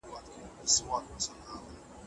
خوله هم د باکتریاوو د فعالیت ځای دی.